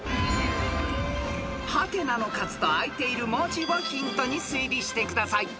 ［「？」の数とあいている文字をヒントに推理してください］